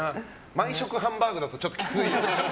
毎食ハンバーグだとちょっときついよな。